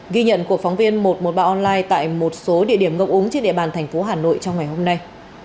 ghi nhận của phóng viên một trăm một mươi ba online tại một số địa điểm ngập úng trên địa bàn thành phố hà nội trong ngày hôm nay